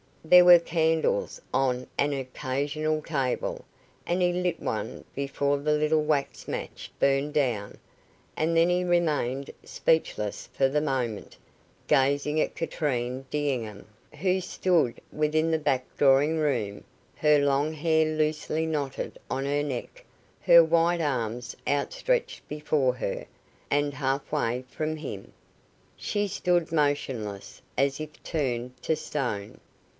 There were candles on an occasional table, and he lit one before the little wax match burned down, and then he remained speechless for the moment, gazing at Katrine D'Enghien, who stood within the back drawing room, her long hair loosely knotted on her neck, her white arms outstretched before her, and half away from him. She stood motionless, as if turned to stone.